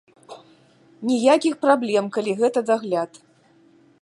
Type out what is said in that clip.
Ніякіх праблем, калі гэта дагляд.